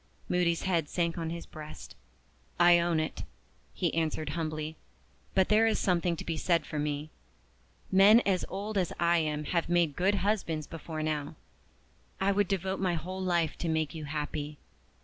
Moody's head sank on his breast. "I own it," he answered humbly. "But there is something to be said for me. Men as old as I am have made good husbands before now. I would devote my whole life to make you happy.